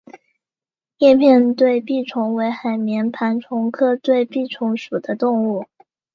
叶片对臂虫为海绵盘虫科对臂虫属的动物。